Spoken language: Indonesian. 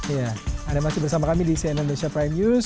ya anda masih bersama kami di cnn indonesia prime news